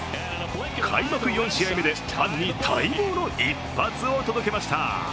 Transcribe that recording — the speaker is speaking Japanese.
開幕４試合目でファンに待望の一発を届けました。